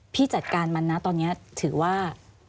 พี่จัดการมันนะตอนนี้ถือว่า